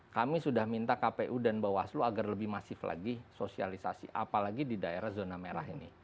kami sudah minta kpu dan bawaslu agar lebih masif lagi sosialisasi apalagi di daerah zona merah ini